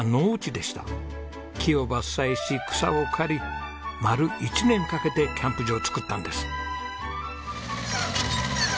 木を伐採し草を刈り丸１年かけてキャンプ場を作ったんです。